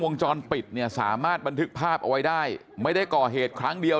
วงจรปิดเนี่ยสามารถบันทึกภาพเอาไว้ได้ไม่ได้ก่อเหตุครั้งเดียว